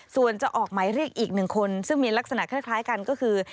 ส่วนจะออกหมายเรียกอีกหนึ่งคนซึ่งมีลักษณะคล้ายกันก็คือ